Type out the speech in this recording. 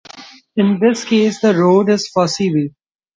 In this case the road is Fosse Way.